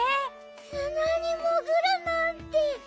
すなにもぐるなんて。